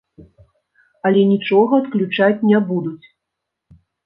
Але нічога адключаць не будуць!